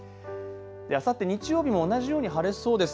あさって日曜日も同じように晴れそうです。